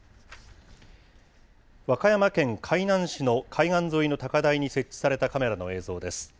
和歌山県海南市の海岸沿いの高台に設置されたカメラの映像です。